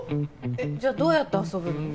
えっじゃあどうやって遊ぶの？